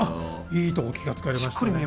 いいとこ気がつかれましたね。